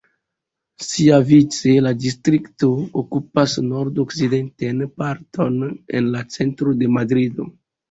Siavice la distrikto okupas nordokcidentan parton en la centro de Madrido.